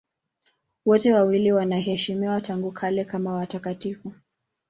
Wote wawili wanaheshimiwa tangu kale kama watakatifu.